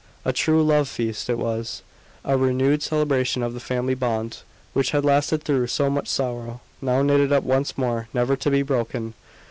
A true love feast it was: a renewed celebration of the family bond, which had lasted through so much sorrow, now knitted up once more, never to be broken.